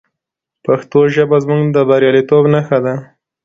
پښتو ژبه زموږ د بریالیتوب نښه ده.